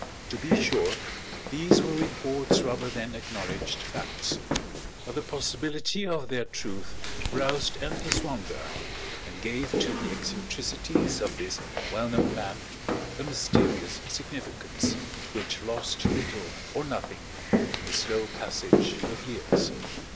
To be sure, these were reports rather than acknowledged facts, but the possibility of their truth roused endless wonder and gave to the eccentricities of this well known man a mysterious significance which lost little or nothing in the slow passage of years.